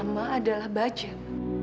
rama adalah bajem